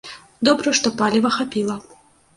Добра, што паліва хапіла.